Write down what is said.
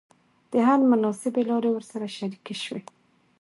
د حل مناسبي لاري ورسره شریکي سوې.